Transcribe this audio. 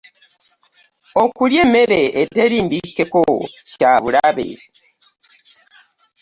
Okulya emmere eteri mbikkeko kya bulabe.